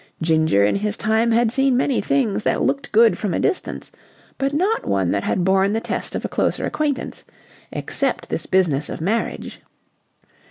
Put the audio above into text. Ginger in his time had seen many things that looked good from a distance, but not one that had borne the test of a closer acquaintance except this business of marriage.